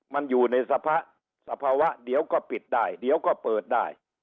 มันอยู่ในสภาวะเดี๋ยวก็ปิดได้เดี๋ยวก็เปิดได้